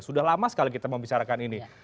sudah lama sekali kita mau bicara kan ini